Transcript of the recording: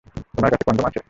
তোমার কাছে কনডম আছে।